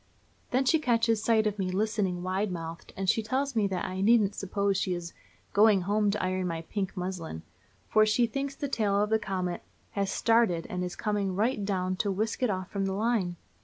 Then she catches sight of me listening wide mouthed, and she tells me that I needn't suppose she is "going home to iron my pink muslin," for she thinks the tail of the comet "has started, and is coming right down to whisk it off from the line."